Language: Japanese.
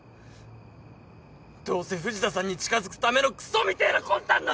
どうせ藤田さんに近づくためのクソみてえな魂胆だろ！